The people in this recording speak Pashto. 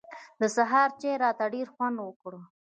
د سهار چای راته ډېر خوند وکړ.